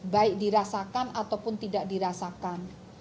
baik dirasakan ataupun tidak dirasakan